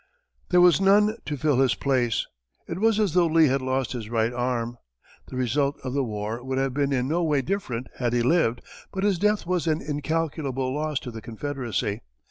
There was none to fill his place it was as though Lee had lost his right arm. The result of the war would have been in no way different had he lived, but his death was an incalculable loss to the Confederacy.